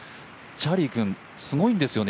チャーリー君すごいんですよね。